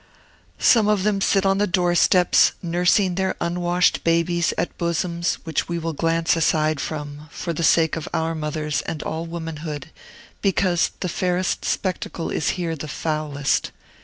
Some of them sit on the doorsteps, nursing their unwashed babies at bosoms which we will glance aside from, for the sake of our mothers and all womanhood, because the fairest spectacle is here the foulest.